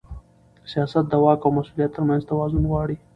سیاست د واک او مسؤلیت ترمنځ توازن غواړي